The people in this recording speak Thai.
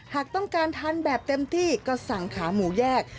หากต้องการทานแบบเต็มที่ก็สั่งขาหมูแยก